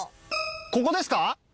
ここですか？